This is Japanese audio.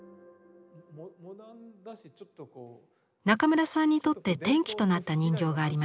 中村さんにとって転機となった人形があります。